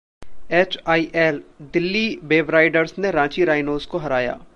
HIL: Delhi Waveriders ने Ranchi rhinos को हराया